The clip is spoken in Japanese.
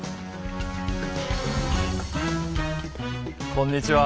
こんにちは。